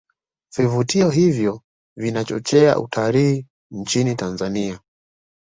Vivutio hivyo vinachochea utalii nchini tanzania